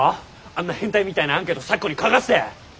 あんな変態みたいなアンケート咲子に書かして！